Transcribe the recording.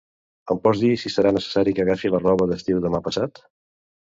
Em pots dir si serà necessari que agafi la roba d'estiu demà passat?